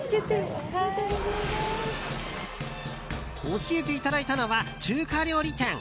教えていただいたのは中華料理店！